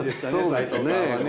齊藤さんはね。